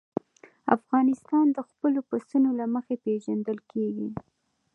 افغانستان د خپلو پسونو له مخې پېژندل کېږي.